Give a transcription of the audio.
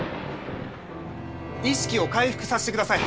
意識を回復さしてください！